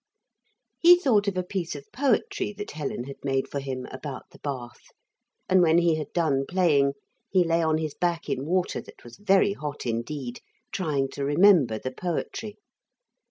He thought of a piece of poetry that Helen had made for him, about the bath; and when he had done playing he lay on his back in water that was very hot indeed, trying to remember the poetry.